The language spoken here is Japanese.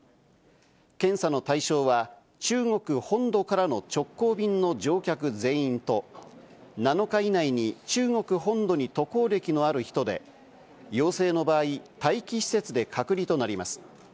検査の対象は、中国本土からの直行便の乗客全員と、７日以内に中国本土に渡航歴のある人で、陽性の場合、待機施設で隔離となります。